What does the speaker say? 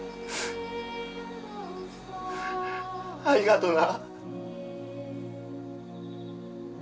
ありがとな。